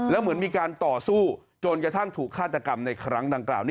แล้วเหมือนมีการต่อสู้จนกระทั่งถูกฆาตกรรมในครั้งดังกล่าว